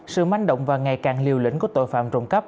sự mánh động và ngày càng liều lĩnh của tội phạm trộn cắp